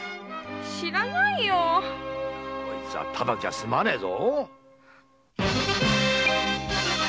知らないよ。こいつはただじゃ済まねえぞ。